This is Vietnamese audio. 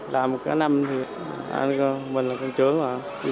làm cả năm thì mình là con trưởng rồi